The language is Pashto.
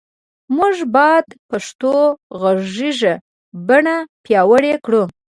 مونږ باد پښتو غږیزه بڼه پیاوړی کړو